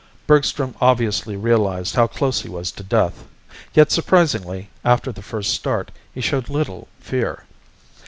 Bergstrom obviously realized how close he was to death. Yet surprisingly, after the first start, he showed little fear.